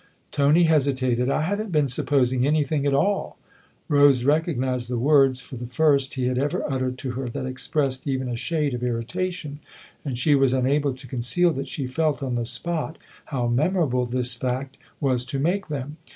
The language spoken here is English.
Tony hesitated. " I haven't been supposing any thing at all !" Rose recognised the words for the first he had ever uttered to her that expressed even a shade of irritation, and she was unable to conceal that she felt, on the spot, how memorable this fact was to make them.